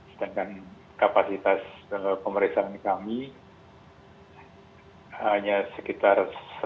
sedangkan kapasitas pemeriksaan kami hanya sekitar